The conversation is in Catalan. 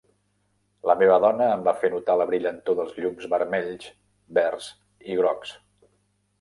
La meva dona em va fer notar la brillantor dels llums vermells, verds i grocs.